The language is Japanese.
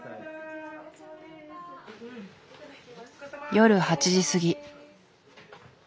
夜８時過ぎ。